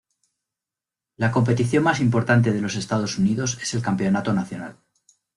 La competición más importante de los Estados Unidos es el Campeonato Nacional.